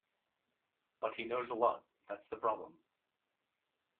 But he knows a lot, that's the problem.